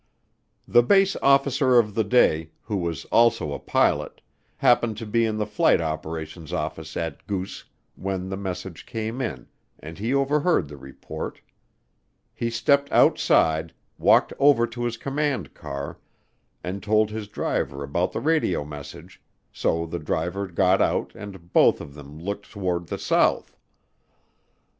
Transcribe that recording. The base officer of the day, who was also a pilot, happened to be in the flight operations office at Goose when the message came in and he overheard the report. He stepped outside, walked over to his command car, and told his driver about the radio message, so the driver got out and both of them looked toward the south.